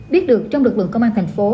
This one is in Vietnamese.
biết được trong lực lượng công an thành phố